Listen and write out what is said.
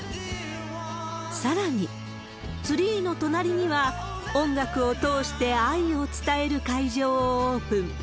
さらに、ツリーの隣には、音楽を通して愛を伝える会場をオープン。